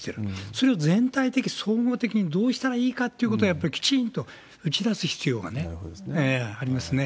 それを全体的、総合的にどうしたらいいかってことを、やっぱりきちんと打ち出す必要がありますね。